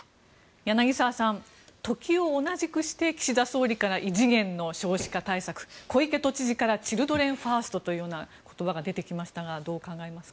柳澤さん時を同じくして岸田総理から異次元の少子化対策小池都知事からチルドレンファーストというような言葉が出てきましたがどう考えますか？